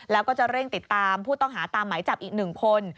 แล้วก็จะเร่งติดตามผู้ต้องหาตามหมายจับอีก๑คน